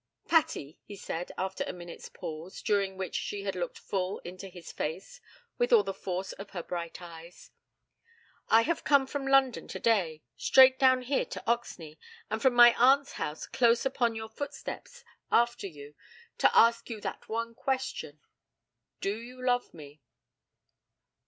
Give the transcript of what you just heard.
'Patty,' he said, after a minute's pause, during which she had looked full into his face with all the force of her bright eyes; 'I have come from London today, straight down here to Oxney, and from my aunt's house close upon your footsteps after you to ask you that one question. Do you love me?'